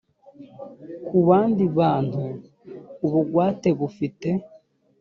ku bandi bantu ubugwate bufite